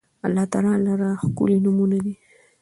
الله تعالی لره ښکلي نومونه دي